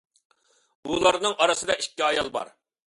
ئۇلار ئارىسىدا ئىككى ئايال بار.